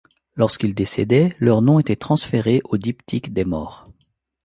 Lorsqu’ils décédaient, leur nom était transféré aux diptyques des morts.